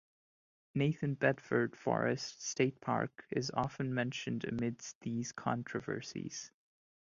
Nathan Bedford Forrest State Park is often mentioned amidst these controversies.